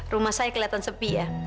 rumah saya kelihatan sepi ya